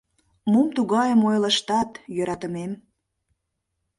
— Мом тугайым ойлыштат, йӧратымем?